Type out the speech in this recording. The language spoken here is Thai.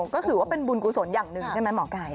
ก็ถือว่าเป็นบุญกุศลอย่างหนึ่งใช่ไหมหมอไก่